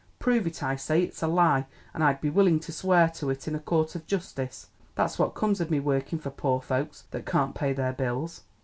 Prove it, I say! It's a lie, an' I'd be willin' to swear to it in a court of justice. That's what comes of me workin' for poor folks that can't pay their bills!"